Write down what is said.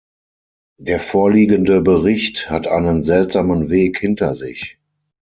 Der vorliegende Bericht hat einen seltsamen Weg hinter sich.